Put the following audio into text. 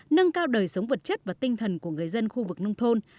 nâng cao đời sống vật chất và tinh thần của người dân khu vực nông thôn